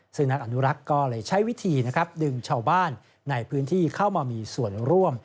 ซึ่งนักอนุรักษ์ก็เลยใช้วิธีนะครับดึงชาวบ้านในพื้นที่เข้ามามีส่วนร่วม